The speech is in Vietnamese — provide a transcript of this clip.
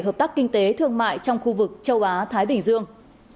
hợp tác kinh tế thương mại trong khu vực châu á thái bình dương